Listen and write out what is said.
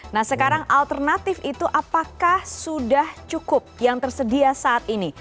nah sekarang alternatif itu apakah sudah cukup yang tersedia saat ini